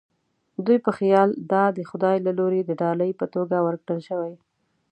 دوی په خیال دا د خدای له لوري د ډالۍ په توګه ورکړل شوې.